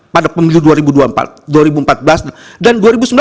pada pemilu dua ribu empat belas dan dua ribu sembilan belas